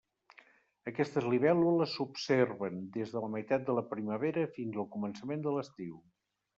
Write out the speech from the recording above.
Aquestes libèl·lules s'observen des de la meitat de la primavera fins al començament de l'estiu.